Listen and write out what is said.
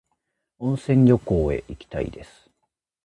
温泉旅行へ行きたいです。